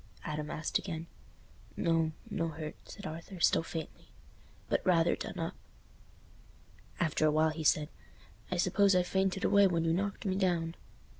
Adam asked again "No—no hurt," said Arthur, still faintly, "but rather done up." After a while he said, "I suppose I fainted away when you knocked me down."